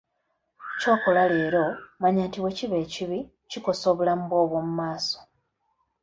Ky’okola leero manya nti bwekiba ekibi kikosa obulamu bwo obwomu maaso.